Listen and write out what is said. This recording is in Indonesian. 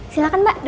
silakan mbak duduk